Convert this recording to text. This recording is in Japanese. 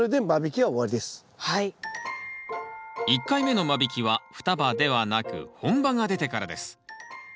１回目の間引きは双葉ではなく本葉が出てからです。